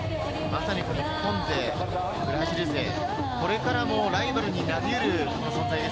まさに日本勢、ブラジル勢、これからもライバルになりうる存